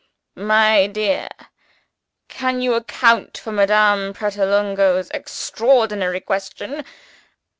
My dear! Can you account for Madame Pratolungo's extraordinary question?